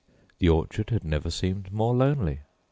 The orchard had never seemed more lonely.